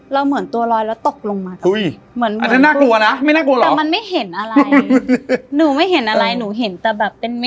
เราเหมือนตัวลอยแล้วตกลงมาครับ